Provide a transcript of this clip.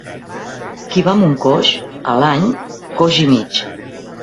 Qui va amb un coix, a l'any, coix i mig.